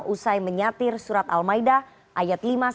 usai menyatir surat al maida ayat lima puluh satu